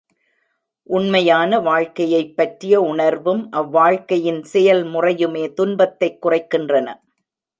உண்மையான வாழ்க்கையைப் பற்றிய உணர்வும் அவ் வாழ்க்கையின் செயல் முறையுமே துன்பத்தைக் குறைக்கின்றன.